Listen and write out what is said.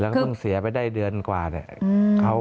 แล้วก็เพิ่งเสียไปได้เดือนกว่าเนี่ย